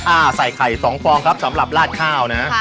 อ่าใส่ไข่๒ฟองครับสำหรับลาดข้าวนะ